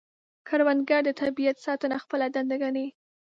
کروندګر د طبیعت ساتنه خپله دنده ګڼي